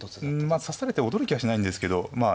まあ指されて驚きはしないんですけどまあ